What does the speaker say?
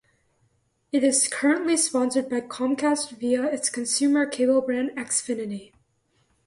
It is currently sponsored by Comcast via its consumer cable brand Xfinity.